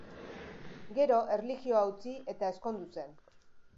Gero erlijioa utzi eta ezkondu zen.